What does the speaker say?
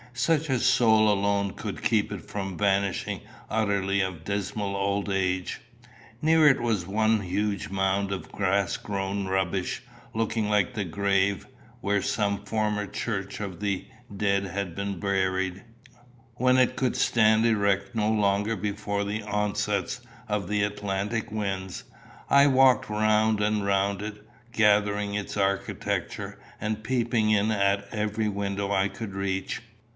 Such a soul alone could keep it from vanishing utterly of dismal old age. Near it was one huge mound of grass grown rubbish, looking like the grave where some former church of the dead had been buried, when it could stand erect no longer before the onsets of Atlantic winds. I walked round and round it, gathering its architecture, and peeping in at every window I could reach.